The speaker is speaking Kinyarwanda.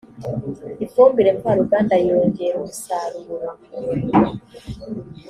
ifumbire mvaruganda yongra umusaruro.